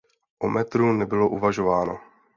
O metru nebylo uvažováno.